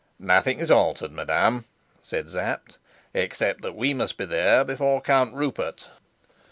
"Nothing is altered, madam," said Sapt, "except that we must be there before Count Rupert."